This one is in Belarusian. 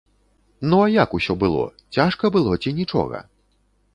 Ну, а як усё было, цяжка было ці нічога?